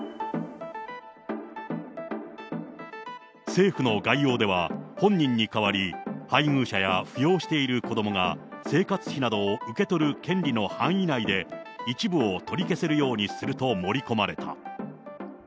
政府の概要では、本人に代わり、配偶者や扶養している子どもが生活費などを受け取る権利の範囲内で、一部を取り消せるようにすると盛り込まれた。